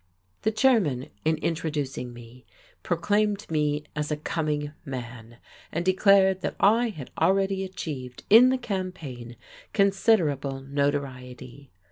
The chairman, in introducing me, proclaimed me as a coming man, and declared that I had already achieved, in the campaign, considerable notoriety.